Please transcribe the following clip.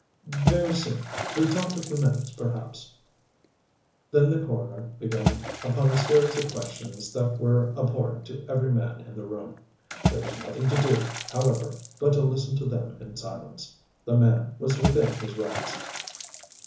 "Very soon. We talked a few minutes, perhaps." Then the coroner began upon a series of questions that were abhorrent to every man in the room. There was nothing to do, however, but to listen to them in silence. The man was within his rights.